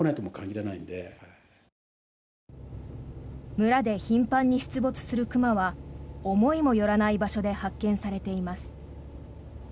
村で頻繁に出没する熊は思いもよらない場所で発見されています。